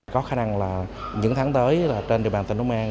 có khả năng là những tháng tới trên địa bàn tỉnh long an